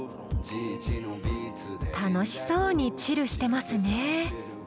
楽しそうに「チル」してますね。